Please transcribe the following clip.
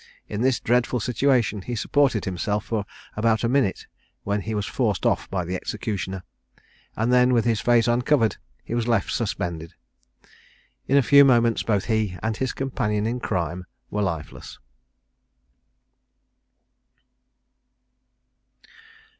In this dreadful situation he supported himself for about a minute, when he was forced off by the executioner, and then, with his face uncovered, he was left suspended. In a few moments both he and his companion in crime were lifeless.